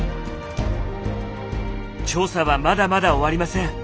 調査はまだまだ終わりません。